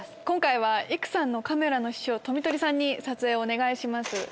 今回は育さんのカメラの師匠富取さんに撮影をお願いします。